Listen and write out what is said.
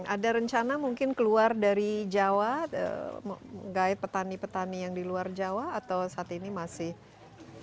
ada rencana mungkin keluar dari jawa menggait petani petani yang di luar jawa atau saat ini masih